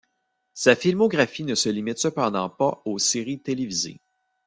Sa filmographie ne se limite cependant pas aux séries télévisées.